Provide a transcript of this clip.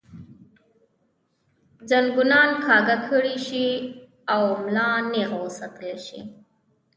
زنګونان کاږۀ کړے شي او ملا نېغه وساتلے شي